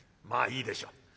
まあいいでしょう。